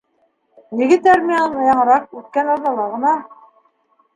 Егет армиянан яңыраҡ, үткән аҙнала ғына...